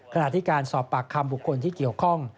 ขณะที่การสอบปากคำบุคคลที่เกี่ยวข้อง